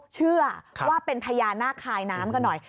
เชื่อว่าเป็นพญานาคคายน้ำกันหน่อย